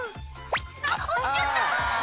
「あっ落ちちゃった！」